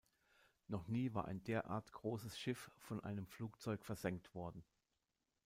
Noch nie war ein derart großes Schiff von einem Flugzeug versenkt worden.